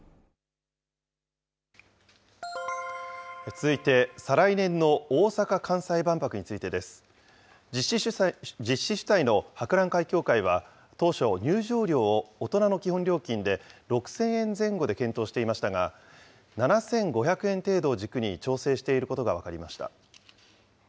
続いて、再来年の大阪・関西万博についてです。実施主体の博覧会協会は、当初、入場料を大人の基本料金で６０００円前後で検討していましたが、７５００円程度を軸に調整していることが分かりました。